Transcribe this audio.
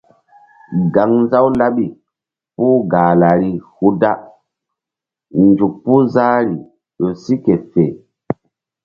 Gaŋnzaw laɓi puh Gahlari hu da nzuk puh zahri ƴo si ke fe.